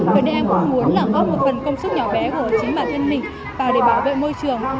cho nên em cũng muốn là góp một phần công sức nhỏ bé của chính bản thân mình vào để bảo vệ môi trường